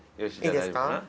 いいですか？